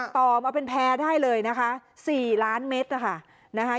ต่อมาเป็นแพร่ได้เลยนะคะ๔ล้านเมตรนะคะ